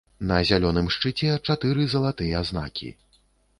На зялёным шчыце чатыры залатыя знакі.